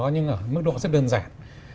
nhưng ở mức độ rất đơn giản